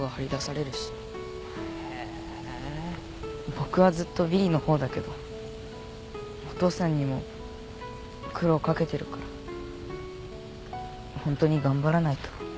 僕はずっとビリのほうだけどお父さんにも苦労かけてるから本当に頑張らないと。